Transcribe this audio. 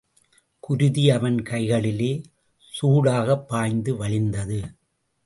குருதி அவன் கைகளிலே சூடாகப் பாய்ந்து வழிந்தது.